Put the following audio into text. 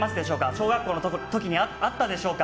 小学校の時にあったでしょうか。